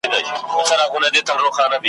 تقدیر پاس په تدبیرونو پوري خاندي ,